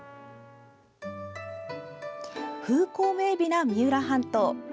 風光明美な三浦半島。